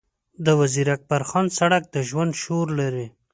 د وزیر اکبرخان سړک د ژوند شور لري.